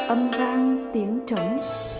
ấm vang tiếng trống